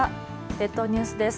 列島ニュースです。